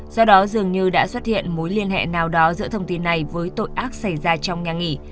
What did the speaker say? do đó dường như đã xuất hiện mối liên hệ nào đó giữa thông tin này với tội ác xảy ra trong nhà nghỉ